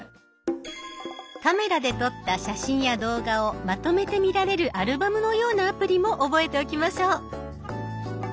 カメラで撮った写真や動画をまとめて見られるアルバムのようなアプリも覚えておきましょう。